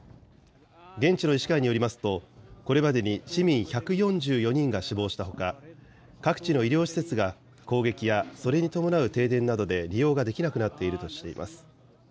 現地の医師会によりますと、これまでに市民１４４人が死亡したほか、各地の医療施設が攻撃やそれに伴う停電などで利用ができなくなっているとしています。